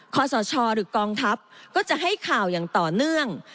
ขอสชหรือกองทัพก็จะให้ข่าวอย่างต่อเนื่อง